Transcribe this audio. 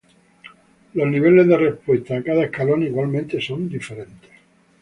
Los niveles de respuesta a cada escalón igualmente son diferentes.